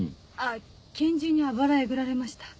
拳銃にあばらえぐられました。